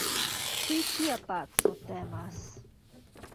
Pri kia paco temas?